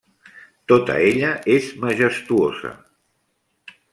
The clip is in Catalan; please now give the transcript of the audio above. Tota ella és majestuosa.